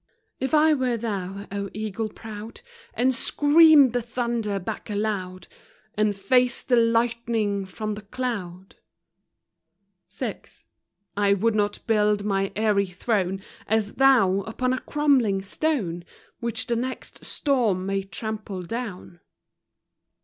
If I were thou, O eagle proud, And screamed the thunder back aloud, And faced the lightning from the cloud; VI. I would not build my eyrie throne, As thou, upon a crumbling stone, Which the next storm may trample down.